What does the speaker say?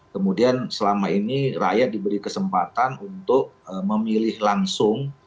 kemudian selama ini rakyat diberi kesempatan untuk memilih langsung